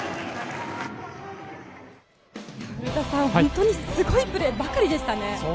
古田さん、本当にすごいプレーばかりでしたね。